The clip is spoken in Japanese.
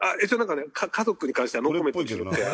家族に関してはノーコメントにしてるんで。